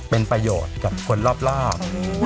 เป็นประโยชน์กับคนรอบ